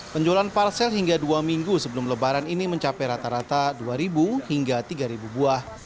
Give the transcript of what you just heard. penjualan parsel hingga dua minggu sebelum lebaran ini mencapai rata rata dua hingga tiga buah